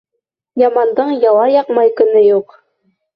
Ямандың яла яҡмай көнө юҡ.